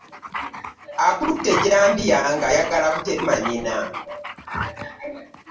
Akutte ejjambiya ng'ayagala kutema nnyina.